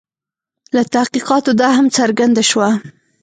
له تحقیقاتو دا هم څرګنده شوه.